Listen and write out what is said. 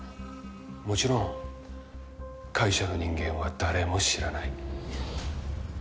もちろん会社の人間は誰も知らない。